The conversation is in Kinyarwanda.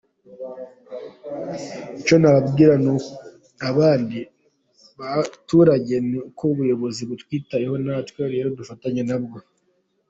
Icyo nabwira abandi baturage ni uko ubuyobozi butwitayeho natwe rero dufatanye na bwo.